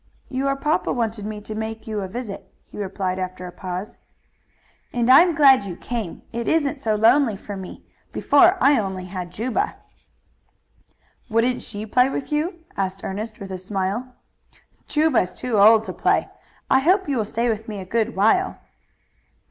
"Your papa wanted me to make you a visit," he replied after a pause. "And I am glad you came. It isn't so lonely for me. Before I had only Juba." "Wouldn't she play with you?" asked Ernest with a smile. "Juba is too old to play. I hope you will stay with me a good while."